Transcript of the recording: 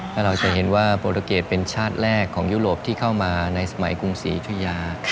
แล้วเราจะเห็นว่าโปรตูเกตเป็นชาติแรกของยุโรปที่เข้ามาในสมัยกรุงศรียุธยา